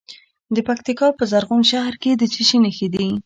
د پکتیکا په زرغون شهر کې د څه شي نښې دي؟